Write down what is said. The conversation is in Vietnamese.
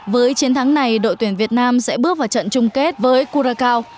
với chiến thắng này đội tuyển việt nam sẽ bước vào trận chung kết với cura cao